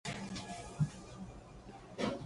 眠いのに寝れない